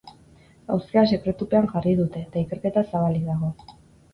Auzia sekretupean jarri dute, eta ikerketa zabalik dago.